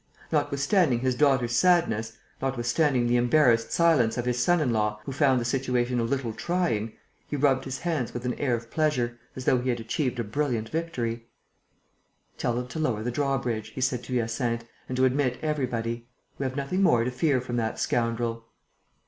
Notwithstanding his daughter's sadness, notwithstanding the embarrassed silence of his son in law, who found the situation a little trying, he rubbed his hands with an air of pleasure, as though he had achieved a brilliant victory: "Tell them to lower the drawbridge," he said to Hyacinthe, "and to admit everybody. We have nothing more to fear from that scoundrel."